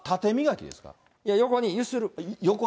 いや、横に揺する。